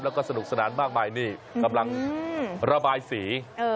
แล้วก็สนุกสนานมากมายนี่กำลังระบายสี